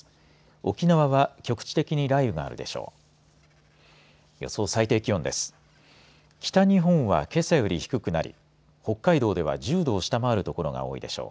沖縄は局地的に雷雨があるでしょう。